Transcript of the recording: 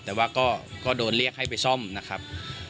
แต่ว่าก็โดนเรียกให้ไปซ่อมนะครับ